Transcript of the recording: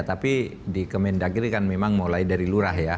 tapi di kemendagri kan memang mulai dari lurah ya